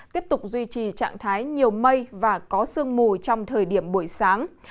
tiếp tục duy trì trạng thái nhiều mây và có sương mù trong thời điểm buổi sáng